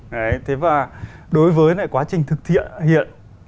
đấy thế và đối với cái quá trình thực thiện hiện